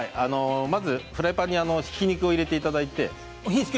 まずフライパンにひき肉を入れていただいて。